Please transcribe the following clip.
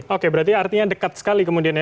oke berarti artinya dekat sekali kemudian ya